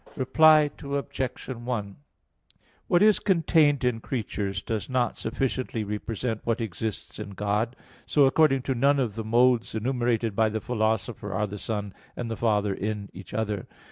Reply Obj. 1: What is contained in creatures does not sufficiently represent what exists in God; so according to none of the modes enumerated by the Philosopher, are the Son and the Father in each other.